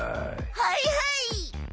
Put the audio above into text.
はいはい！